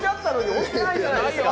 置いてないじゃないですか。